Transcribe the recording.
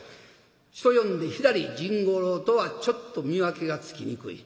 人呼んで左甚五郎とはちょっと見分けがつきにくい。